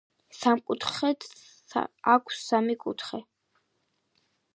სამკუთხედს აქ სამი კუთხე